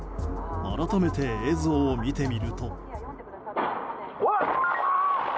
改めて、映像を見てみると。